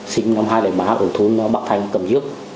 sinh năm hai nghìn ba ở thôn bạc thành cầm dước